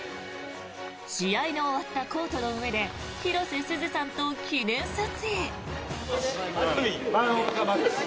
試合の終わったコートの上で広瀬すずさんと記念撮影。